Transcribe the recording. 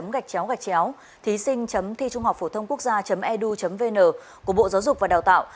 hai gạch chéo gạch chéo thí sinh thichunghọcphổthôngquốc gia edu vn của bộ giáo dục và đào tạo